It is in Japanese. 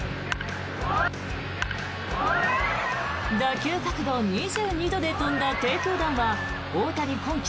打球角度２２度で飛んだ低空弾は大谷今季